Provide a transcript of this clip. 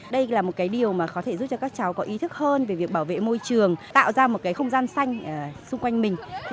đây là một điều có thể giúp cho các cháu có ý thức hơn về việc bảo vệ môi trường tạo ra một không gian xanh xung quanh mình